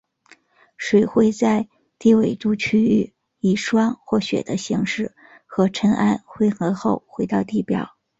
水会在低纬度区域以霜或雪的形式和尘埃混合后回到地表。